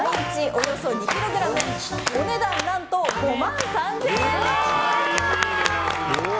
およそ２ｋｇお値段何と５万３０００円です。